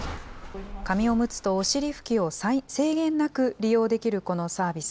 紙おむつとお尻拭きを制限なく利用できるこのサービス。